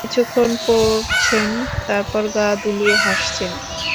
কিছুক্ষণ পড়ছেন, তারপর গা দুলিয়ে হাসছেন।